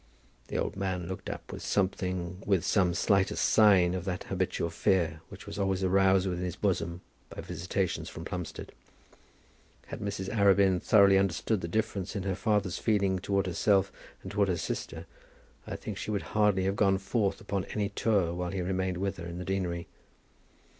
The old man looked up with something, with some slightest sign of that habitual fear which was always aroused within his bosom by visitations from Plumstead. Had Mrs. Arabin thoroughly understood the difference in her father's feeling toward herself and toward her sister, I think she would hardly have gone forth upon any tour while he remained with her in the deanery.